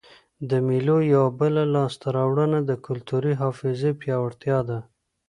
د مېلو یوه بله لاسته راوړنه د کلتوري حافظې پیاوړتیا ده.